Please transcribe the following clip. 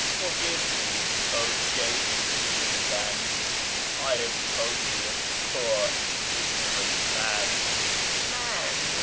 " Forgive me, 0 Sheykh !" he began ;" I am only a poor ignorant man "" j\Ian